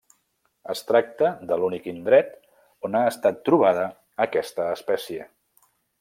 Es tracta de l'únic indret on ha estat trobada aquesta espècie.